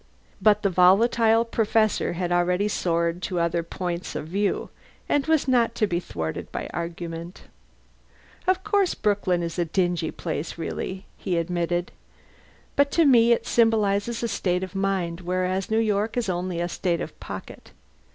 But the volatile Professor had already soared to other points of view, and was not to be thwarted by argument. "Of course Brooklyn is a dingy place, really," he admitted. "But to me it symbolizes a state of mind, whereas New York is only a state of pocket.